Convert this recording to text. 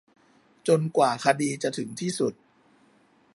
จนกว่าคดีจะถึงที่สุด